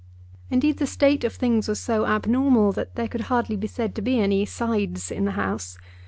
Indeed, the state of things was so abnormal that there could hardly be said to be any sides in the House.